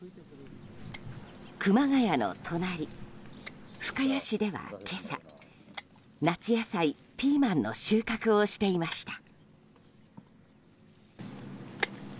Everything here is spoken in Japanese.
熊谷の隣、深谷市では今朝夏野菜、ピーマンの収穫をしていました。